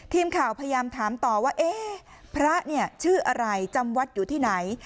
ทีมข่าวพยายามถามต่อว่าเอ๊ะพระเนี่ยชื่ออะไรจำวัดอยู่ที่ไหน